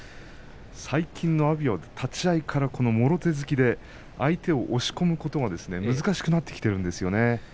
最近の阿炎は立ち合いから、もろ手突きで相手を押し込むことが難しくなっているんですよね。